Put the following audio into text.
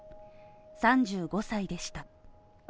３５歳でした。